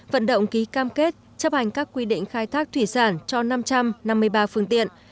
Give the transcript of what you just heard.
vận động ký cam kết chấp hành các quy định khai thác thủy sản cho năm trăm năm mươi ba phương tiện